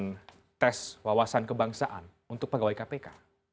melakukan tes wawasan kebangsaan untuk pegawai kpk